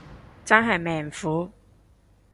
真係命苦